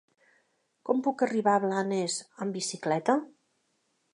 Com puc arribar a Blanes amb bicicleta?